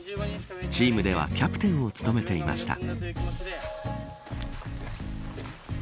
チームではキャプテンを務めていました。